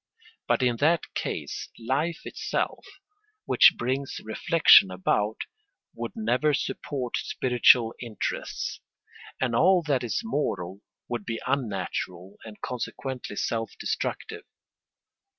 But in that case life itself, which brings reflection about, would never support spiritual interests, and all that is moral would be unnatural and consequently self destructive.